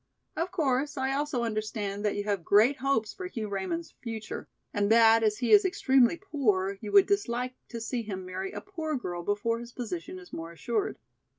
Of course I also understand that you have great hopes for Hugh Raymond's future, and that as he is extremely poor you would dislike to see him marry a poor girl before his position is more assured.